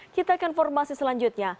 kita akan informasi selanjutnya